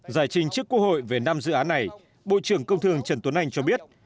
giải trình trước quốc hội về năm dự án này bộ trưởng công thương trần tuấn anh cho biết